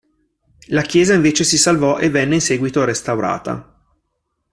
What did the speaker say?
La chiesa invece si salvò e venne in seguito restaurata.